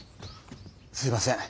すいません。